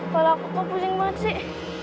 kalau aku kok pusing banget sih